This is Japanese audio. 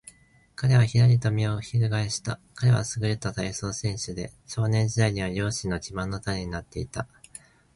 彼はひらりと身をひるがえした。彼はすぐれた体操選手で、少年時代には両親の自慢の種になっていた。